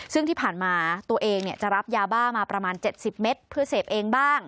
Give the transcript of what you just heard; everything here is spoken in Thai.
ซึ่งที่ผ่านมาตัวเองจะรับยาบ้ามาประมาณ๗๐เมตรเพื่อเสพเองบ้าง